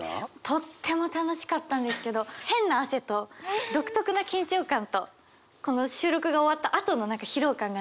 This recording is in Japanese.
とっても楽しかったんですけど変な汗と独特な緊張感とこの収録が終わったあとの疲労感がね